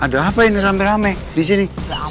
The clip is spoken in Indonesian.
ada apa ini rame rame disini